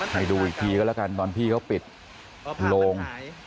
ให้ดูอีกทีก็แล้วกันตอนพี่เขาปิดโลง